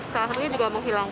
salah satunya juga menghilangkan